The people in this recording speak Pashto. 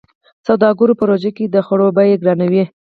سوداګرو په روژه کې د خوړو بيې ګرانوي.